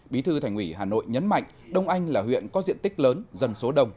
bí thư thành ủy hà nội nhấn mạnh đông anh là huyện có diện tích lớn dân số đông